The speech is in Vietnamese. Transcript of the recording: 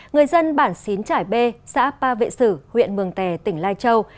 người dân bản xín trải bê xã ba vệ sử huyện mường tè tỉnh lai châu